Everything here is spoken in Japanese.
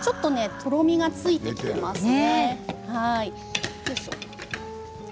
とろみがついていますね。